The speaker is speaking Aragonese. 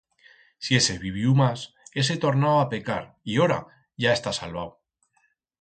Si hese viviu mas, hese tornau a pecar y ora, ya está salvau.